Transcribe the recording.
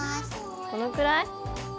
このくらい？